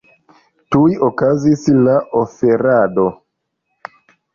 Tuj okazis la oferado.